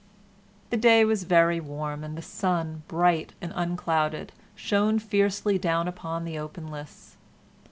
The day was very warm, and the sun, bright and unclouded, shone fiercely down upon the open lists.